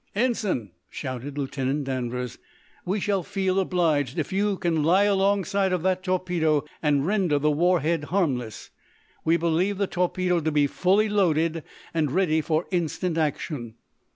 "Ensign," shouted Lieutenant Danvers, "we shall feel obliged if you can lie alongside of that torpedo, and render the war head harmless. We believe the torpedo to be fully loaded, and ready for instant action."